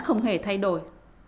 mà không hề thay đổi